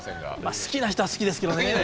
好きな人は好きですけどね。